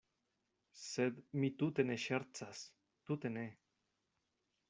Sed mi tute ne ŝercas, tute ne.